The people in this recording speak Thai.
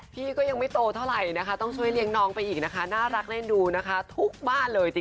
พี่ก็ยังไม่โตเท่าไหร่นะคะ